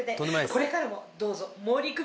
これからもどうぞ。